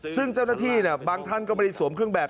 ซึ่งเจ้าหน้าที่บางท่านก็ไม่ได้สวมเครื่องแบบ